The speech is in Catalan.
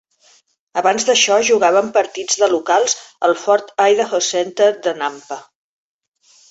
Abans d'això, jugaven partits de locals al Ford Idaho Center de Nampa.